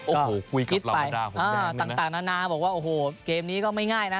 โอ้โหคุยกับลาวาดาหงแดงนี่นะต่างนานาบอกว่าโอ้โหเกมนี้ก็ไม่ง่ายนะ